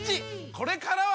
これからは！